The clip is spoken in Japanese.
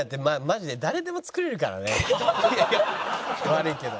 悪いけど。